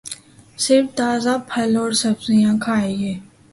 صرف تازہ پھل اور سبزیاں کھائیے